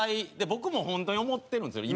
僕も本当に思ってるんですよね